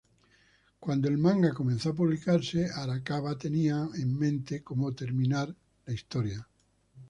Cuando el manga comenzó a publicarse, Arakawa tenía en mente cómo terminaría la historia.